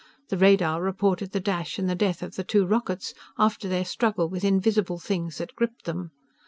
The radar reported the dash and the death of the two rockets, after their struggle with invisible things that gripped them.